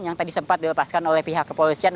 yang tadi sempat dilepaskan oleh pihak kepolisian